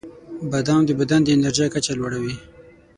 • بادام د بدن د انرژۍ کچه لوړه کوي.